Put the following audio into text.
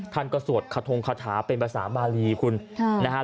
ท่านก็สวดคาทงคาถาเป็นภาษาบาลีคุณนะฮะ